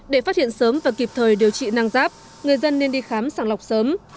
để phát hiện sớm và kịp thời điều trị năng giáp người dân nên đi khám sàng lọc sớm